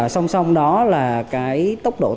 xong xong đó là cái tốc độ tăng trưởng